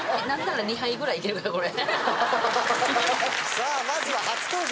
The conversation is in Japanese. さあまずは初登場